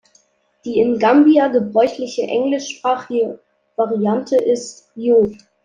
Die in Gambia gebräuchliche englischsprachige Variante ist Joof.